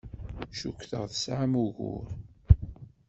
Cukkteɣ tesɛam ugur.